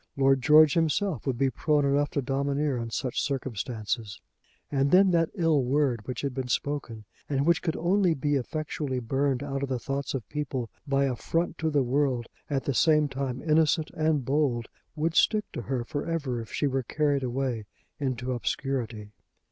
Lord George himself would be prone enough to domineer in such circumstances. And then that ill word which had been spoken, and which could only be effectually burned out of the thoughts of people by a front to the world at the same time innocent and bold, would stick to her for ever if she were carried away into obscurity.